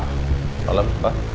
selamat malam pak